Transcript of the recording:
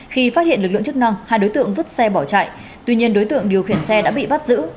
khi phát hiện lực lượng chức năng hai đối tượng vứt xe bỏ chạy tuy nhiên đối tượng điều khiển xe đã bị bắt giữ